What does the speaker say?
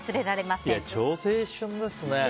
超青春ですね。